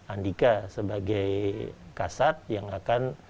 andika sebagai kasat yang akan